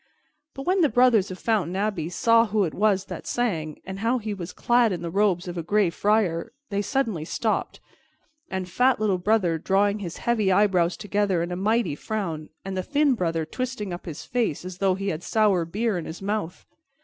But when the brothers of Fountain Abbey saw who it was that sang, and how he was clad in the robes of a Gray Friar, they stopped suddenly, the fat little Brother drawing his heavy eyebrows together in a mighty frown, and the thin Brother twisting up his face as though he had sour beer in his mouth.